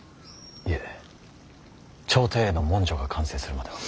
いえ朝廷への文書が完成するまでは。